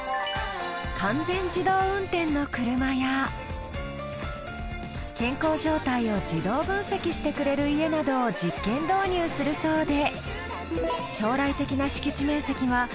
完全自動運転の車や健康状態を自動分析してくれる家などを実験導入するそうで。